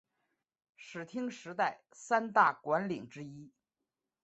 室町时代三大管领之一。